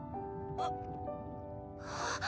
あっ。